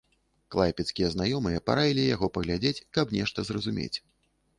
Клайпедскія знаёмыя параілі яго паглядзець, каб нешта зразумець.